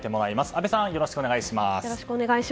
阿部さんよろしくお願いします。